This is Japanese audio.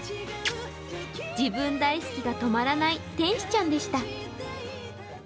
自分大好きが止まらない天使ちゃんでした。